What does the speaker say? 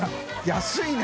安いな。